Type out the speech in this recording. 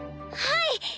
はい！